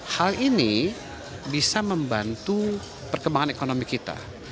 hal ini bisa membantu perkembangan ekonomi kita